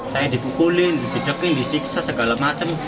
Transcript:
saya dipukulin dipijakin disiksa segala macam